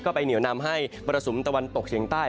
ก็ไปเหนียวนำให้บริษุสูรรดิ์ตะวันตกเฉียงใต้